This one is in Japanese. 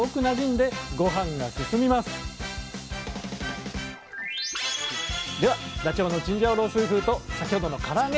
では「ダチョウのチンジャオロースー風」と先ほどの「から揚げ」！